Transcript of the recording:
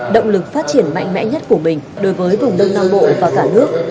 động lực phát triển mạnh mẽ nhất của mình đối với vùng đông nam bộ và cả nước